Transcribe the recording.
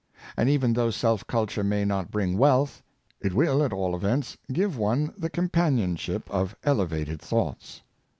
And even though self culture may not bring wealth, it will at all events give one the companionship of elevated thoughts.